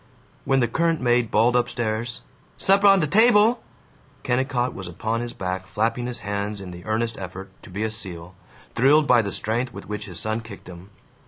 When the current maid bawled up stairs, "Supper on de table!" Kennicott was upon his back, flapping his hands in the earnest effort to be a seal, thrilled by the strength with which his son kicked him.